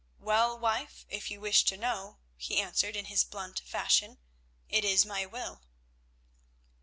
"Well, wife, if you wish to know," he answered in his blunt fashion, "it is my will."